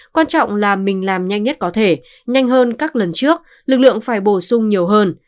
quan trọng là mình làm nhanh nhất có thể nhanh hơn các lần trước lực lượng phải bổ sung nhiều hơn